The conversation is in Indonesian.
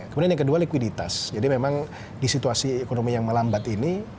kemudian yang kedua likuiditas jadi memang di situasi ekonomi yang melambat ini